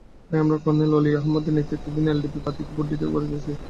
তাই আমরা কর্নেল অলি আহমদের নেতৃত্বধীন এলডিপির প্রার্থীকে ভোট দিতে বলেছি।